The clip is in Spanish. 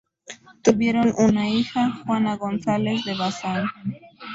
Tuvieron una hija, Juana González de Bazán.